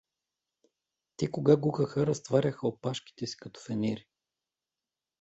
Те кога гукаха, разтваряха опашките си като фенери.